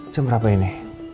jam berapa ini